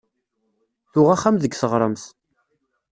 Tuɣ axxam deg taɣremt.